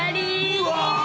うわ！